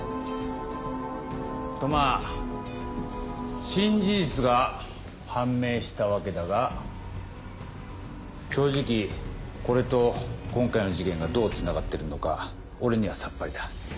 とまぁ新事実が判明したわけだが正直これと今回の事件がどうつながってるのか俺にはさっぱりだ。